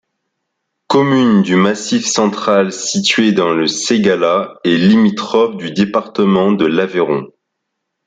Commune du Massif central située dans le Ségala et limitrophe du département de l'Aveyron.